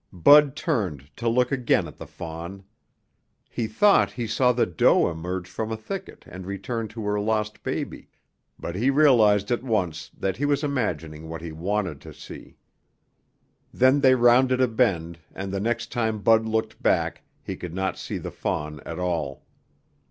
Bud turned to look again at the fawn. He thought he saw the doe emerge from a thicket and return to her lost baby, but he realized at once that he was imagining what he wanted to see. Then they rounded a bend and the next time Bud looked back he could not see the fawn at all.